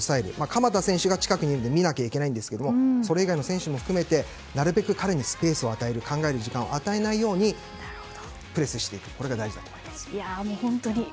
鎌田選手が近くにいるので見なきゃいけませんがそれ以外の選手も含めてなるべく彼にスペースを与える考える時間を与えないようプレスしていくのが大事だと思います。